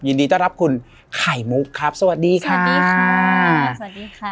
ยินดีต้อนรับคุณไข่มุกครับสวัสดีค่ะสวัสดีค่ะสวัสดีค่ะ